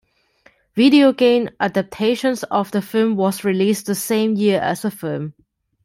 Video game adaptations of the film was released the same year as the film.